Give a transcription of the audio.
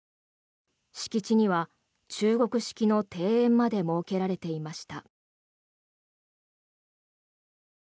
敷地には中国式の庭園まで設けられていました。